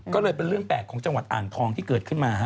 ก็เลยเป็นเรื่องแปลกของจังหวัดอ่างทองที่เกิดขึ้นมา